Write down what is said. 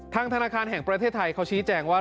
ธนาคารแห่งประเทศไทยเขาชี้แจงว่า